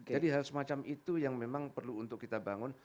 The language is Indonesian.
jadi hal semacam itu yang memang perlu untuk kita bangun